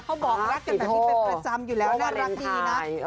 บอกรักกันแบบนี้เป็นประจำอยู่แล้วน่ารักดีนะ